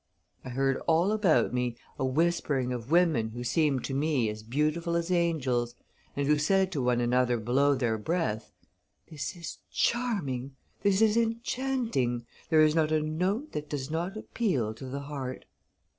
I heard all about me a whispering of women who seemed to me as beautiful as angels, and who said to one another below their breath, 'This is charming, this is enchanting: there is not a note that does not appeal to the heart.